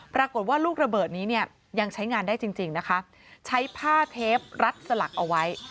ปรากฏว่าลูกระเบิดนี้เนี่ยยังใช้งานได้จริงจริงนะคะใช้ผ้าเทปรัดสลักเอาไว้